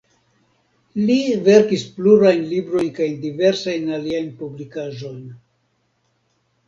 Li verkis plurajn librojn kaj diversajn aliajn publikaĵojn.